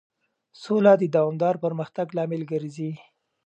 سوله د دوامدار پرمختګ لامل ګرځي.